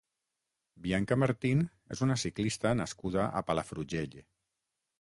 Bianca Martín és una ciclista nascuda a Palafrugell.